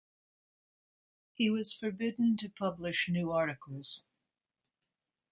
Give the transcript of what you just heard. He was forbidden to publish new articles.